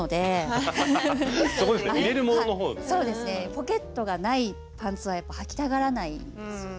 ポケットがないパンツはやっぱはきたがらないです。